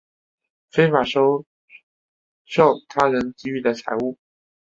非法收受他人给予的财物